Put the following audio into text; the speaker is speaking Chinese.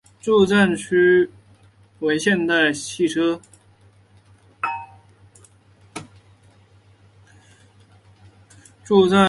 主赞助商为现代汽车。